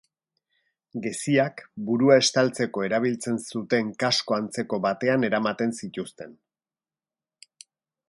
Geziak, burua estaltzeko erabiltzen zuten kasko antzeko batean eramaten zituzten.